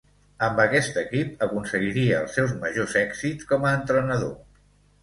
Amb aquest equip aconseguiria els seus majors èxits com a entrenador.